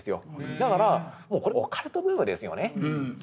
だからこれもうオカルトブームですよね。